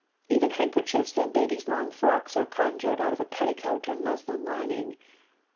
Even handkerchiefs and babies' long frocks are conjured out of a petticoat or muslin lining!